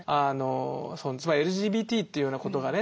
つまりＬＧＢＴっていうようなことがね